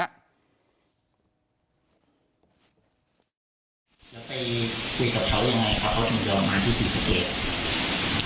คุยกับเขายังไงคะ